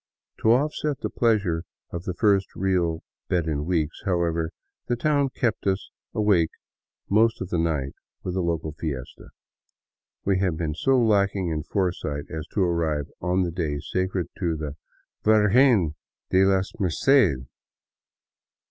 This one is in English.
To offset the pleasure of the first real bed in weeks, however, the town kept us awake most of the night with a local fiesta. We had been so lacking in foresight as to arrive on the day sacred to the " Virgen de la Merced."